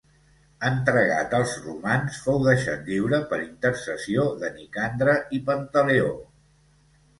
Entregat als romans fou deixat lliure per intercessió de Nicandre i Pantaleó.